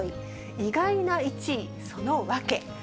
意外な１位その訳。